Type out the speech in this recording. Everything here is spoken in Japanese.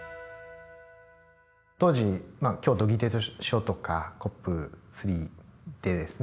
当時京都議定書とかＣＯＰ３でですね